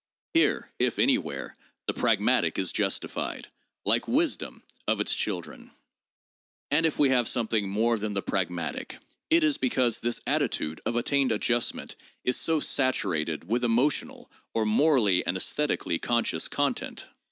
Here, if anywhere, the pragmatic is justified, like wisdom, of its children; and if we have something more than the pragmatic, it is because this attitude of attained adjustment is so saturated with emotional, or morally and esthetically conscious, content.